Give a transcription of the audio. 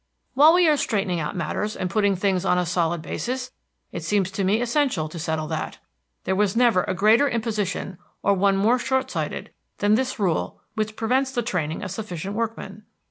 "While we are straightening out matters and putting things on a solid basis, it seems to me essential to settle that. There was never a greater imposition, or one more short sighted, than this rule which prevents the training of sufficient workmen.